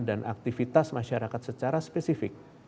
dan aktivitas masyarakat secara spesifik